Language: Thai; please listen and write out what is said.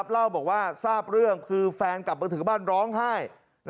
เล่าบอกว่าทราบเรื่องคือแฟนกลับมาถึงบ้านร้องไห้